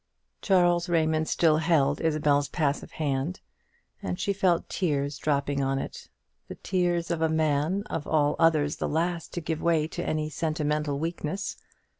Charles Raymond still held Isabel's passive hand, and she felt tears dropping on it; the tears of a man, of all others the last to give way to any sentimental weakness.